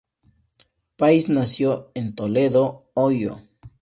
Pease nació en Toledo, Ohio.